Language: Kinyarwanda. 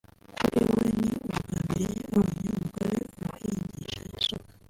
kuri we ni ubwa mbere yari abonye umugore uhingisha isuka